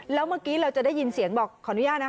แล้วเมื่อกี้เราจะได้ยินเสียงบอกขออนุญาตนะ